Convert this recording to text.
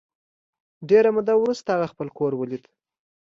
ډېره موده وروسته هغه خپل کور ولید